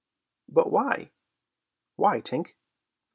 "But why?" "Why, Tink?"